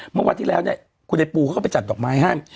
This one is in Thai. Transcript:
เมื่อวันที่แล้วเนี่ยคุณไอปูเขาก็ไปจัดดอกไม้ให้